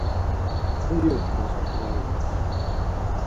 Kogyoç̌ǩes ot̆rağodus.